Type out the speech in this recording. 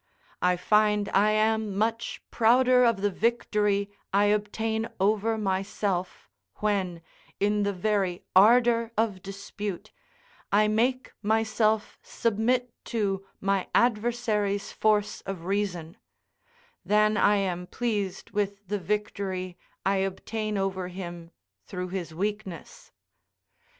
I find I am much prouder of the victory I obtain over myself, when, in the very ardour of dispute, I make myself submit to my adversary's force of reason, than I am pleased with the victory I obtain over him through his weakness.